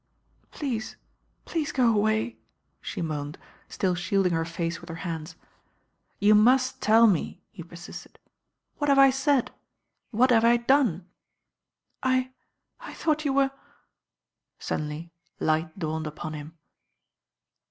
"Please, please go away," she moaned, still shielding her face with her hands. "You must tell me," he persisted. "What have I said; what have I done?" "I — I thought you were ^" Suddenly light dawned upon him.